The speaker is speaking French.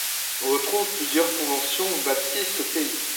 On retrouve plusieurs conventions baptistes au pays.